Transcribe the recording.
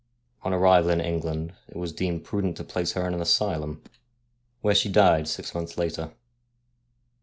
On arrival in England it was deemed prudent to place her in an asylum, where she died six months later.